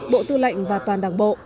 bộ tư lệnh và toàn đảng bộ